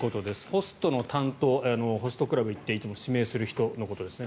ホストの担当ホストクラブに行っていつも指名する人のことですね。